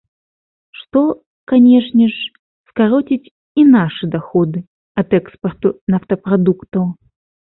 Што, канешне ж, скароціць і нашы даходы ад экспарту нафтапрадуктаў.